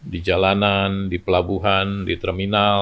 di jalanan di pelabuhan di terminal